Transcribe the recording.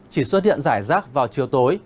chỉ xuất hiện giải rác vào chiều tối